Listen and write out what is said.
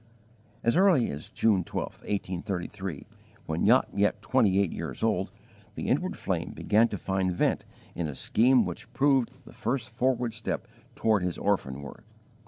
As early as June 12, 1833, when not yet twenty eight years old, the inward flame began to find vent in a scheme which proved the first forward step toward his orphan work.